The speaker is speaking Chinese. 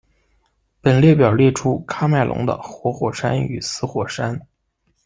本列表列出喀麦隆的活火山与死火山。